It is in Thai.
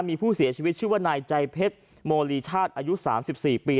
มีผู้เสียชีวิตชื่อว่านายใจเพชรโมลีชาติอายุ๓๔ปี